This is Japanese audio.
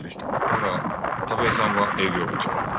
だが田部井さんは営業部長。